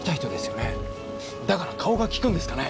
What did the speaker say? だから顔が利くんですかね？